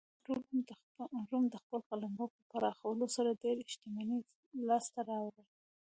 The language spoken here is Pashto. روم د خپل قلمرو په پراخولو سره ډېره شتمنۍ لاسته راوړه.